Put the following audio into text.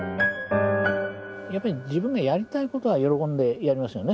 やっぱり自分がやりたいことは喜んでやりますよね。